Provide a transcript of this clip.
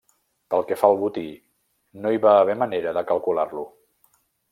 Pel que fa al botí, no hi va haver manera de calcular-lo.